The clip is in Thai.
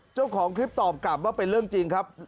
เจ้าของคลิปตอบกลับว่าเป็นเรื่องจริงครับ